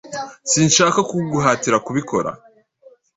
Sinshaka kuguhatira kubikora.